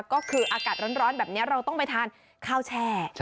ก็คืออากาศร้อนแบบนี้เราต้องไปทานข้าวแช่